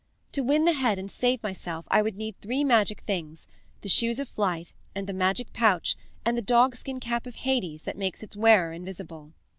To win the head and save myself I would need three magic things the shoes of flight and the magic pouch, and the dogskin cap of Hades that makes its wearer invisible.